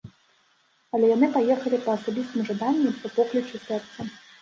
Але яны паехалі па асабістым жаданні, па поклічы сэрца.